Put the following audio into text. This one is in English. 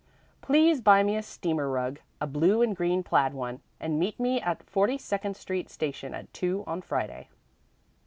Please buy me a steamer rug, a blue and green plaid one, and meet me at the Forty second Street station at two on Friday."